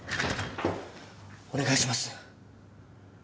お願いします！